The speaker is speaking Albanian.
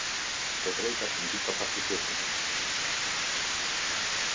Të drejtat mbi kapacitetin.